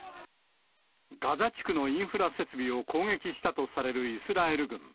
ガザ地区のインフラ設備を攻撃したとされるイスラエル軍。